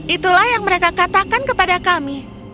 itulah yang mereka katakan kepada kami